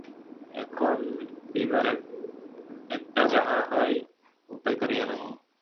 এখন বিভার একটা যাহা হয় উপায় করিয়া দাও!